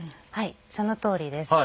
そのとおりです。